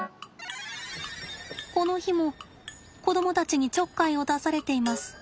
この日も子供たちにちょっかいを出されています。